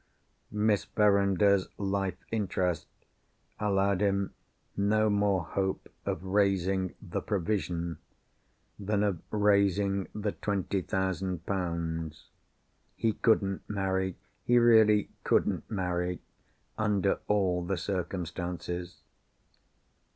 Miss Verinder's life interest allowed him no more hope of raising the "provision" than of raising the twenty thousand pounds. He couldn't marry—he really couldn't marry, under all the circumstances.